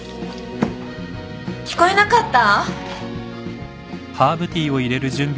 聞こえなかった？